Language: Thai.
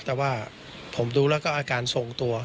แต่ว่าผมดูแล้วก็อาการทรงตัว